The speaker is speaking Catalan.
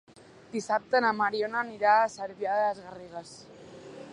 Dissabte na Mariona anirà a Cervià de les Garrigues.